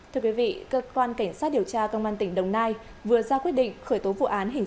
thưa quý vị cơ quan cảnh sát điều tra công an tỉnh đồng nai vừa ra quyết định khởi tố vụ án hình